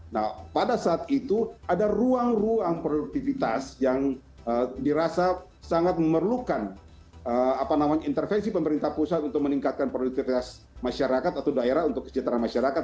nah pada saat itu ada ruang ruang produktivitas yang dirasa sangat memerlukan intervensi pemerintah pusat untuk meningkatkan produktivitas masyarakat atau daerah untuk kesejahteraan masyarakat